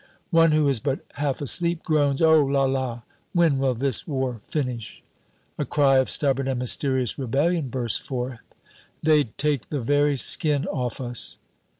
One who is but half asleep groans, "Oh, la, la! When will this war finish!" A cry of stubborn and mysterious rebellion bursts forth "They'd take the very skin off us!"